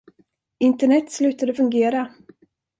Internet slutade fungera!